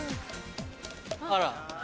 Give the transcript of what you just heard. あら。